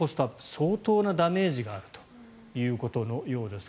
相当なダメージがあるということのようです。